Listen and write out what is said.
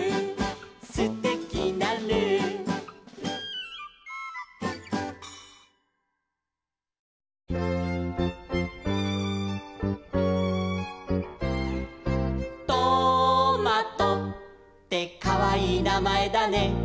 「すてきなルー」「トマトってかわいいなまえだね」